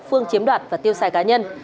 phương chiếm đoạt và tiêu xài cá nhân